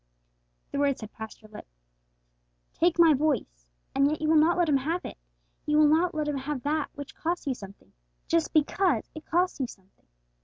The words had passed your lips, 'Take my voice!' And yet you will not let Him have it; you will not let Him have that which costs you something, just because it costs you something!